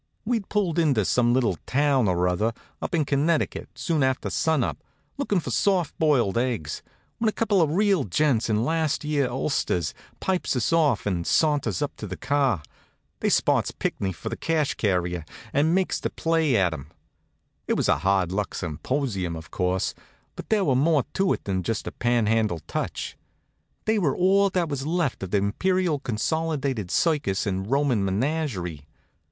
We'd pulled into some little town or other up in Connecticut soon after sun up, lookin' for soft boiled eggs, when a couple of real gents in last year ulsters pipes us off and saunters up to the car. They spots Pinckney for the cash carrier and makes the play at him. It was a hard luck symposium, of course; but there was more to it than just a panhandle touch. They were all there was left of the Imperial Consolidated Circus and Roman Menagerie.